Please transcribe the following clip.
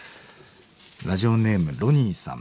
ラジオネームロニーさん。